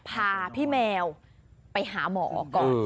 พาพี่แมวไปหาหมอก่อน